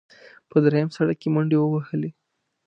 په درېیم سړک کې منډې ووهلې.